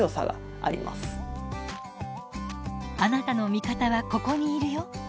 「あなたの味方はここにいるよ」。